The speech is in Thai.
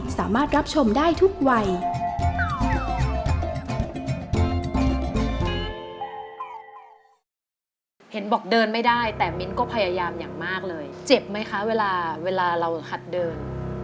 สามารถรับชมได้ทุกวัย